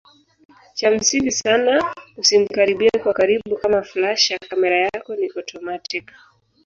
Cha msingi sana usimkaribie kwa karibu kama flash ya kamera yako ni automatic